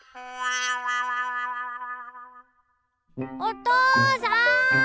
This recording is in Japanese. おとうさん！